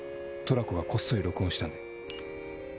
トラコがこっそり録音したんで。